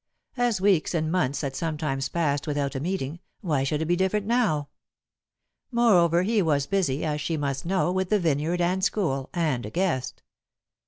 As weeks and months had sometimes passed without a meeting, why should it be different now? Moreover, he was busy, as she must know, with the vineyard and school, and a guest.